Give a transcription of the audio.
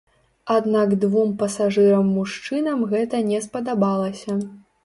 Аднак двум пасажырам-мужчынам гэта не спадабалася.